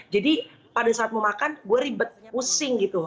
jadi pada saat mau makan gue ribet pusing gitu